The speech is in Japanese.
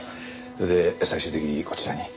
それで最終的にこちらに。